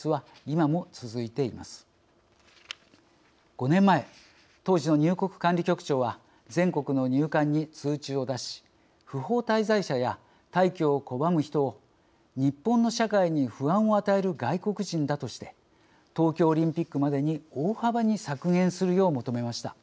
５年前当時の入国管理局長は全国の入管に通知を出し不法滞在者や退去を拒む人を「日本の社会に不安を与える外国人だ」として東京オリンピックまでに大幅に削減するよう求めました。